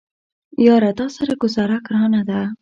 یاره تاسره ګوزاره ګرانه ده